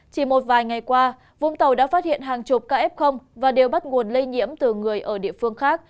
chỉ một vài ngày qua vũng tàu đã phát hiện hàng chục ca f và đều bắt nguồn lây nhiễm từ người ở địa phương khác